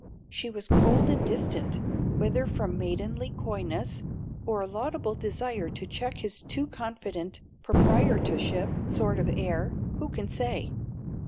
She was cold and distant, whether from maidenly coyness or a laudable desire to check his too confident, proprietorship sort of air, who can say?